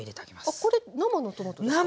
あっこれ生のトマトですか？